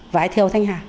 vải theo thanh hà